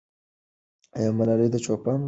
آیا ملالۍ د چوپان لور وه؟